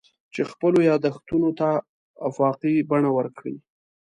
چې خپلو یادښتونو ته افاقي بڼه ورکړي.